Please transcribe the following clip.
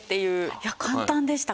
いや簡単でした。